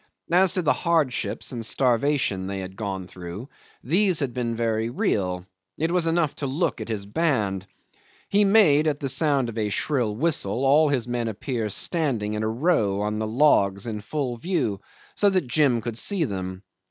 As to the hardships and starvation they had gone through, these had been very real; it was enough to look at his band. He made, at the sound of a shrill whistle, all his men appear standing in a row on the logs in full view, so that Jim could see them.